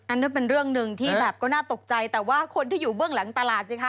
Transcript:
นั่นเป็นเรื่องหนึ่งที่แบบก็น่าตกใจแต่ว่าคนที่อยู่เบื้องหลังตลาดสิคะ